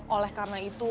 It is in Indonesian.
oleh karena itu